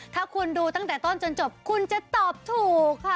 ถ้าคุณดูตั้งแต่ต้นจนจบคุณจะตอบถูกค่ะ